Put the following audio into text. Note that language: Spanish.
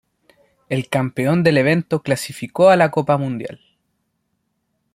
El campeón del evento clasificó a la Copa Mundial.